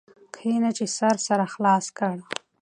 کښېنه چي سر سره خلاص کړ.